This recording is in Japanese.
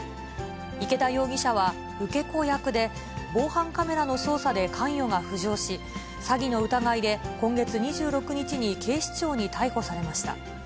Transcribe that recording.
池田容疑者は受け子役で、防犯カメラの捜査で関与が浮上し、詐欺の疑いで今月２６日に警視庁に逮捕されました。